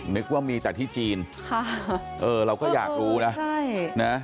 นึกว่ามีแต่ที่จีนค่ะเออเราก็อยากรู้นะใช่นะ